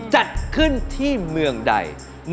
จัดขึ้นที่เมืองใด